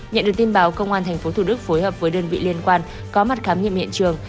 nhận được tin báo công an tp thủ đức phối hợp với đơn vị liên quan có mặt khám nghiệm hiện trường